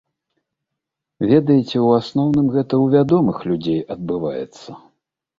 Ведаеце, у асноўным, гэта ў вядомых людзей адбываецца.